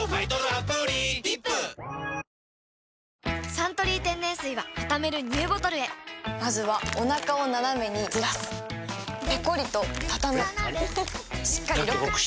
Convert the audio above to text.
「サントリー天然水」はたためるＮＥＷボトルへまずはおなかをナナメにずらすペコリ！とたたむしっかりロック！